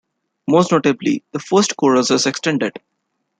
Most notably, the first chorus is extended.